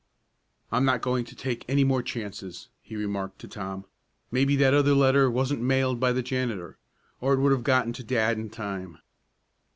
"I'm not going to take any more chances," he remarked to Tom. "Maybe that other letter wasn't mailed by the janitor, or it would have gotten to dad in time."